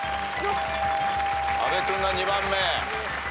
阿部君が２番目。